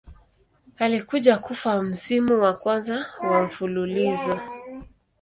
Alikuja kufa wa msimu wa kwanza wa mfululizo.